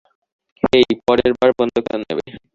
হেই, পরেরবার, বন্দুকটা নেবে।